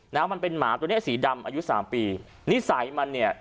นะมันเป็นหมาตัวเนี้ยสีดำอายุสามปีนิสัยมันเนี่ย